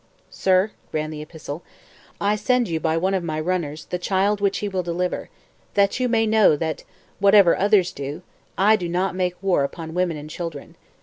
'Sir,' ran the epistle, 'I send you by one of my runners the child which he will deliver, that you may know that whatever others do, I do not make war upon women and children.